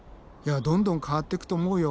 どんどん変わっていくと思うよ。